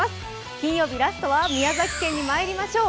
金曜日ラストは宮崎県にまいりましょう。